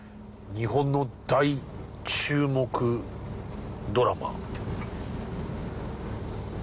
日本の大注目ドラマ。